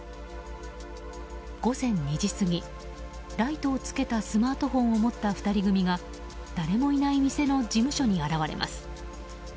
午前２時過ぎライトをつけたスマートフォンを持った２人組が誰もいない店の事務所に現れます。